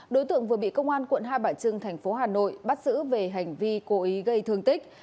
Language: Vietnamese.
đối tượng vừa bị công an quận hai bà trưng thành phố hà nội bắt giữ về hành vi cố ý gây thương tích